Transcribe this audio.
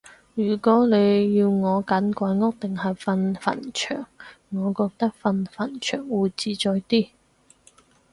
如果你要我揀鬼屋定係瞓墳場，我覺得瞓墳場會自在啲